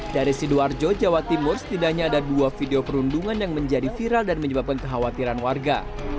dari sidoarjo jawa timur setidaknya ada dua video perundungan yang menjadi viral dan menyebabkan kekhawatiran warga